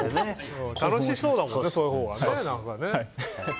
楽しそうだもん。